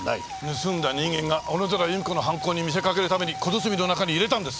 盗んだ人間が小野寺由美子の犯行に見せかけるために小包の中に入れたんです。